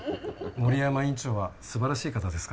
森山院長は素晴らしい方ですから。